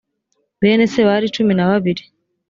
bene se bari cumi na babiri